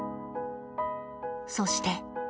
そして。